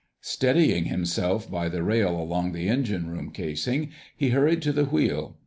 Steadying himself by the rail along the engine room casing he hurried to the wheel.